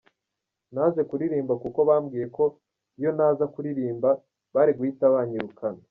Naje kuririmba kuko bambwiye ko iyo ntaza kuririmba bari guhita banyirukana.